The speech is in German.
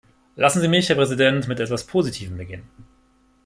Lassen Sie mich, Herr Präsident, mit etwas Positivem beginnen.